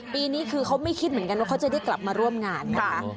ปีนี้คือเขาไม่คิดเหมือนกันว่าเขาจะได้กลับมาร่วมงานนะคะ